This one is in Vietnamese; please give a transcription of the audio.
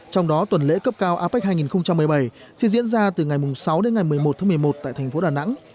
trong đó tuần lễ cấp cao apec hai nghìn một mươi bảy sẽ diễn ra từ ngày sáu đến ngày một mươi một tháng một mươi một tại thành phố đà nẵng